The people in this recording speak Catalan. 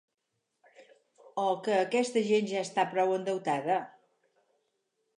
O que aquesta gent ja està prou endeutada?